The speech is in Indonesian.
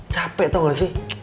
capek tau gak sih